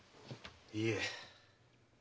いえ。